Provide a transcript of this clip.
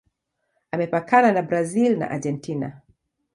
Imepakana na Brazil na Argentina.